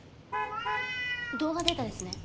動画データですね。